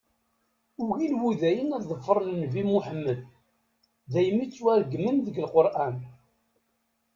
Ugin Wudayen ad ḍefren nnbi Muḥemmed, daymi ttwaregmen deg Leqran.